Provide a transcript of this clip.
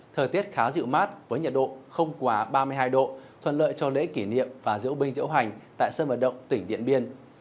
thời tiết khá dịu mát với nhiệt độ không quá ba mươi hai độ thuận lợi cho lễ kỷ niệm và diễu binh diễu hành tại sân vận động tỉnh điện biên